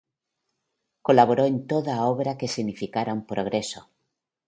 Colaboró en toda obra que significara un progreso.